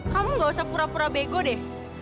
kamu gak usah pura pura bego deh